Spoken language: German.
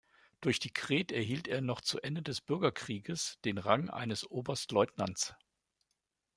Durch Dekret erhielt er noch zu Ende des Bürgerkrieges den Rang eines Oberstleutnants.